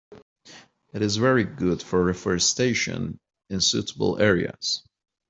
It is very good for reforestation in suitable areas.